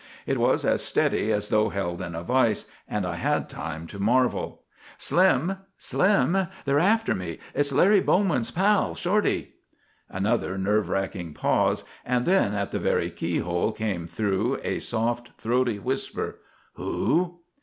It was as steady as though held in a vise, and I had time to marvel. "Slim! Slim! They're after me! It's Larry Bowman's pal, Shorty!" Another nerve racking pause, and then at the very keyhole came through a soft, throaty whisper: "Who?"